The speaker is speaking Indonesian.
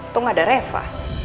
tunggak ada reva